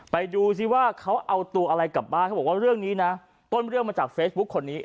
ไปดูซิว่าเขาเอาตัวอะไรกลับบ้านเขาบอกว่าเรื่องนี้นะต้นเรื่องมาจากเฟซบุ๊คคนนี้